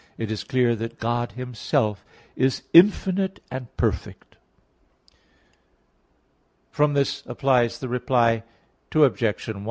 4), it is clear that God Himself is infinite and perfect. From this appears the Reply to the First Objection.